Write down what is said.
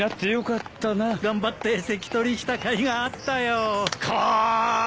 頑張って席取りしたかいがあったよ。